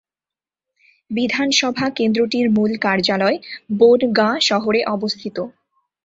বিধানসভা কেন্দ্রটির মূল কার্যালয় বনগাঁ শহরে অবস্থিত।